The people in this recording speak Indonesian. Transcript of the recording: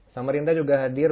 samarinda juga hadir